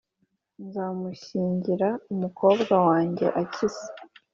nzamushyingira umukobwa wanjye Akisa.”